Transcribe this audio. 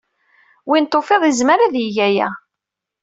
Win tufiḍ izmer ad yeg aya.